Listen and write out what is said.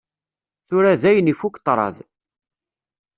Tura dayen ifukk ṭṭraḍ.